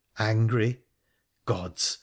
' Angry ? Gods !